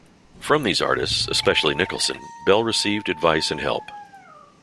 From these artists, especially Nicholson, Bell received advice and help.